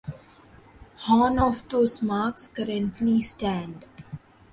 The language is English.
Hone of those marks currently stand.